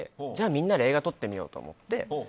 みんなで映画撮ってみようと思って。